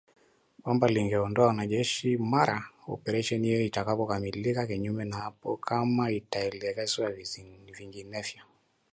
kwamba lingeondoa wanajeshi mara operesheni hiyo itakapokamilika kinyume na hapo kama itaelekezwa vinginevyo